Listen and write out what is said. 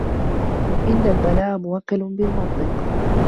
إنَّ الْبَلَاءَ مُوَكَّلٌ بِالْمَنْطِقِ